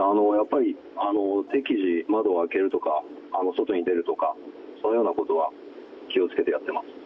適宜、窓を開けるとか外に出るとかそのようなことは気を付けてやっています。